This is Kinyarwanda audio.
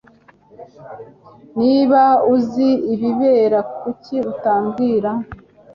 Niba uzi ibibera, kuki utambwira?